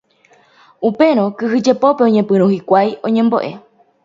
Upérõ kyhyjepópe oñepyrũ hikuái oñembo'e.